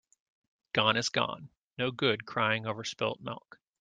Gone is gone. No good in crying over spilt milk.